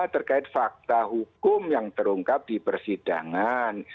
terkait fakta hukum yang terungkap di persidangan